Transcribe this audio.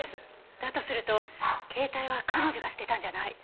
だとすると携帯は彼女が捨てたんじゃない。